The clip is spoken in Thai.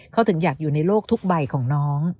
เขาถึงอยากอยู่ในโลกทุกใบของน้อง